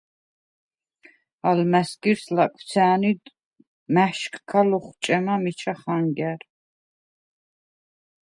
ალმა̈სგირს ლაკვცა̈ნიდ მა̈შკქა ლოხჭემა მიჩა ხანგა̈რ.